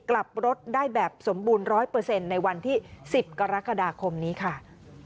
กลับรถได้แบบสมบูรณ์๑๐๐ในวันที่๑๐กรกฎาคมนี้ค่ะ